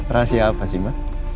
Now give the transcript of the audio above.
rahasia apa sih ma